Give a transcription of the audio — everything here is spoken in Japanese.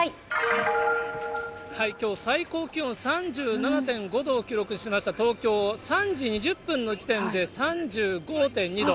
きょう、最高気温３７．５度を記録しました東京、３時２０分の時点で３５．２度。